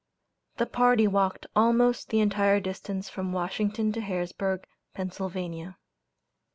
The party walked almost the entire distance from Washington to Harrisburg, Pennsylvania.